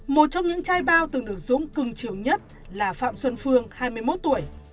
một trong những trai bao từng được dũng cưng trường nhất là phạm xuân phương hai mươi một tuổi